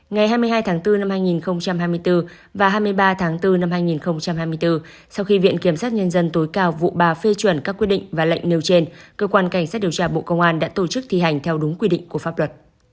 ngày hai mươi hai tháng bốn năm hai nghìn hai mươi bốn và hai mươi ba tháng bốn năm hai nghìn hai mươi bốn sau khi viện kiểm sát nhân dân tối cao vụ bà phê chuẩn các quyết định và lệnh nêu trên cơ quan cảnh sát điều tra bộ công an đã tổ chức thi hành theo đúng quy định của pháp luật